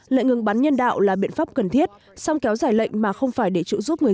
lệnh ngừng bắn nhân đạo là biện pháp cần thiết song kéo dài lệnh mà không phải để trụ giúp người